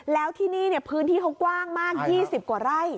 แล้วที่นี่พื้นที่เขากว้างมาก๒๐กว่าไร่